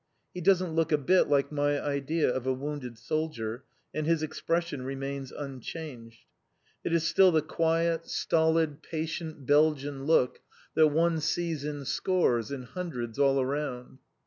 He doesn't look a bit like my idea of a wounded soldier, and his expression remains unchanged. It is still the quiet, stolid, patient Belgian look that one sees in scores, in hundreds, all around.